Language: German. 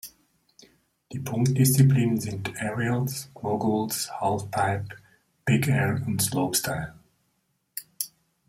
Die Punkt-Disziplinen sind Aerials, Moguls, Half Pipe, Big Air und Slopestyle.